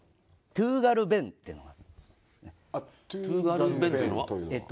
トゥーガルベンというのは？